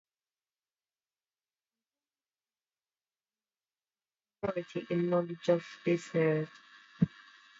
Antonio Scarpa acknowledged his priority in knowledge of this nerve.